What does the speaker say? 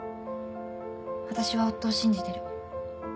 私は夫を信じてる。